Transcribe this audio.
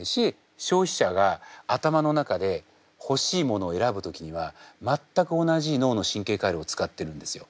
消費者が頭の中でほしいものを選ぶ時には全く同じ脳の神経回路を使ってるんですよ。